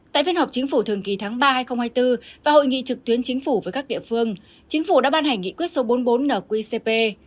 tại phiên họp chính phủ thường kỳ tháng ba hai nghìn hai mươi bốn và hội nghị trực tuyến chính phủ với các địa phương chính phủ đã ban hành nghị quyết số bốn mươi bốn nqcp